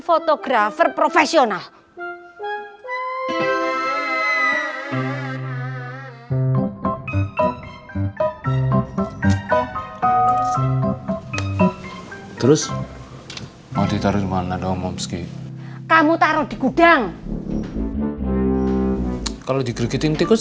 fotografer profesional terus mau ditaruh mana dong momski kamu taruh di gudang kalau di gigitin tikus